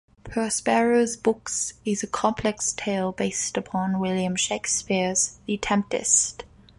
"Prospero's Books" is a complex tale based upon William Shakespeare's "The Tempest".